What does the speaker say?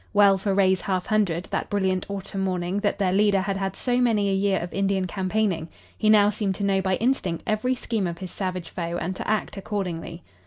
Well for Ray's half hundred, that brilliant autumn morning, that their leader had had so many a year of Indian campaigning! He now seemed to know by instinct every scheme of his savage foe and to act accordingly.